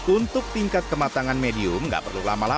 untuk tingkat kematangan medium nggak perlu lama lama